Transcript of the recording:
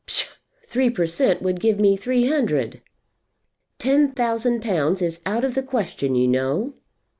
"Psha! Three per cent. would give me three hundred." "Ten thousand pounds is out of the question, you know."